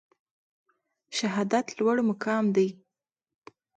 شهادت لوړ مقام دی